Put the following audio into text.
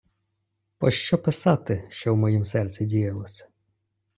Пощо писати, що в моїм серці діялося?